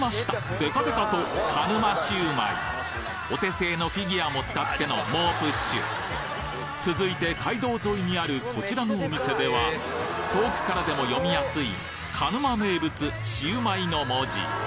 デカデカとかぬまシウマイお手製のフィギュアも使っての猛プッシュ続いて街道沿いにあるこちらのお店では遠くからでも読みやすい鹿沼名物シウマイの文字